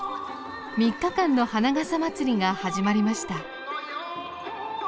３日間の花笠まつりが始まりました。